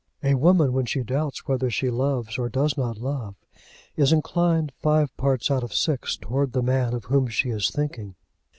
A woman, when she doubts whether she loves or does not love, is inclined five parts out of six towards the man of whom she is thinking.